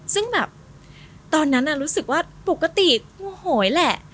ซึ่งแบบตอนนั้นรู้สึกว่าปกติโมโหยแหละ